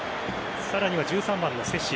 さらには１３番のセシ。